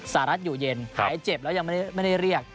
สหรัฐอยู่เย็นหายเจ็บแล้วยังไม่ได้เรียก